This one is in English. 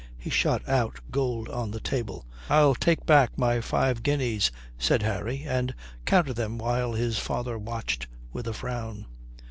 He shot out gold on the table. "I'll take back my five guineas," said Harry, and counted them, while his father watched with a frown.